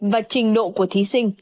và trình độ của thí sinh